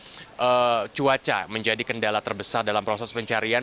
jadi cuaca menjadi kendala terbesar dalam proses pencarian